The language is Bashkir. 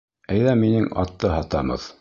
— Әйҙә минең атты һатабыҙ.